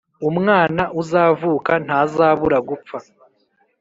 umwana uzavuka ntazabura gupfa.